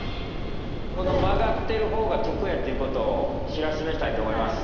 このまがってる方がとくやっていうことをしらしめたいとおもいます。